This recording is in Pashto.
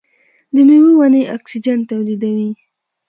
د میوو ونې اکسیجن تولیدوي.